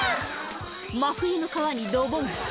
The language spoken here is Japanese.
真冬の川にドボン